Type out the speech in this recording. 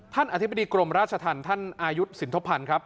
อธิบดีกรมราชธรรมท่านอายุสินทพันธ์ครับ